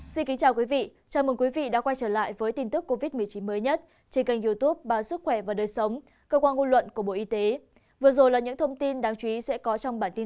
xin chào quý vị cùng đến với phần thông tin cập nhật số ca mắc covid một mươi chín trong ngày ngày hai tháng một mươi của bộ y tế